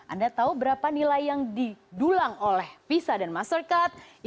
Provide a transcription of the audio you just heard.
anda tahu berapa nilai yang didulang oleh visa dan mastercard